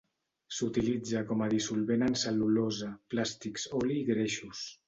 S'utilitza com a dissolvent en cel·lulosa, plàstics, oli i greixos.